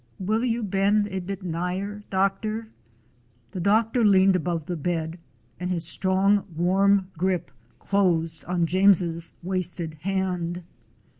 "Will you bend a bit nigher, doctor?" The doctor leaned above the bed, and his strong, warm grip, closed on James's wasted hand.